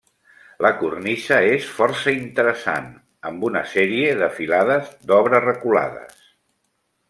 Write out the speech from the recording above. La cornisa és força interessant, amb una sèrie de filades d'obra reculades.